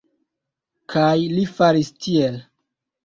Kaj li faris tiel.